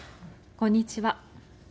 こんにちは。